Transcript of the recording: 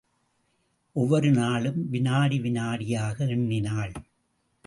ஒவ்வொரு நாளும் வினாடி வினாடியாக எண்ணினாள்.